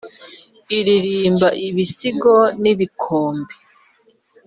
ririmba ibisiza n’ibikombe